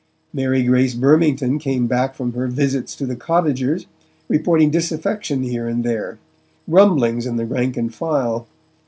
Mary Grace Burmington came back from her visits to the cottagers, reporting disaffection here and there, grumblings in the rank and file.